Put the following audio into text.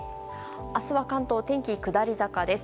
明日は関東、天気下り坂です。